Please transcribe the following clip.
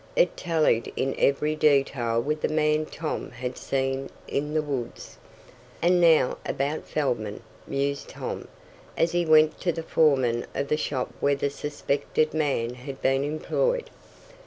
It tallied in every detail with the man Tom had seen in the woods. "And now about Feldman," mused Tom, as he went to the foreman of the shop where the suspected man had been employed.